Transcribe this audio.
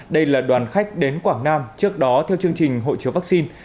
đây là đoàn khách đến quảng nam trước đó theo chương trình hộ chiếu vaccine